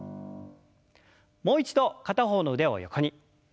もう一度片方の腕を横に。